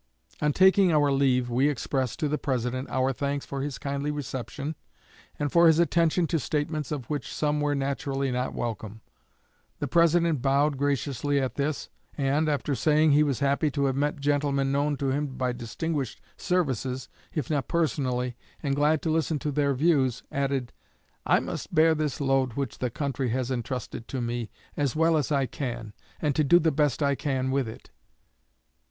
... On taking our leave we expressed to the President our thanks for his kindly reception, and for his attention to statements of which some were naturally not welcome. The President bowed graciously at this, and, after saying he was happy to have met gentlemen known to him by distinguished services, if not personally, and glad to listen to their views, added, 'I must bear this load which the country has intrusted to me as well as I can, and do the best I can with it.'"